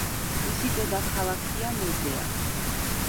მისი დედაქალაქია მედეა.